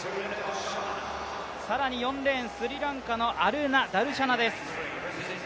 更に４レーン、スリランカのアルナ・ダルシャナです。